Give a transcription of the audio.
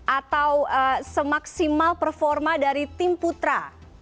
atau semaksimal performa dari tim putra